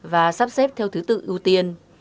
và sắp xếp theo thứ tự ưu tiên